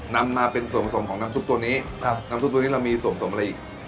นำมาเป็นส่วนผสมของน้ำซุปตัวนี้น้ำซุปตัวนี้เรามีส่วนสมอะไรอีก